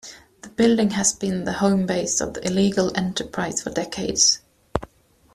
The building has been the home base of the illegal enterprise for decades.